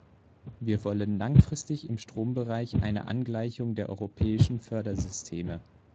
Wir wollen langfristig im Strombereich eine Angleichung der europäischen Fördersysteme.